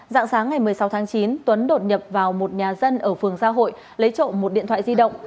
dạng sáng ngày một mươi sáu tháng chín tuấn đột nhập vào một nhà dân ở phường gia hội lấy trộm một điện thoại di động